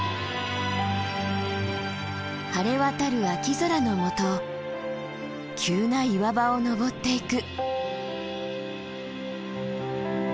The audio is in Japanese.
晴れ渡る秋空のもと急な岩場を登っていく。